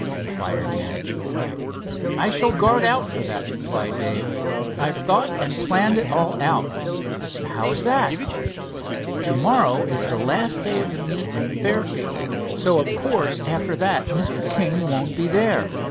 inquired Ned. "I shall guard out for that," replied Dave. "I've thought and planned it all out." "How is that?" "To morrow is the last day of the meet at Fairfield, so of course after that Mr. King won't be there.